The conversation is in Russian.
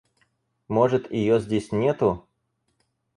Может, её здесь нету?